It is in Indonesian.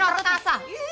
bikin perut kasa